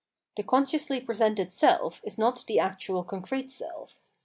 The consciously presented self is not the actual concrete self.